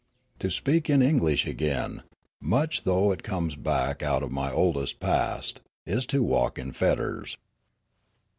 To speak in English again, much though it brings back out of my oldest past, is to walk in fetters.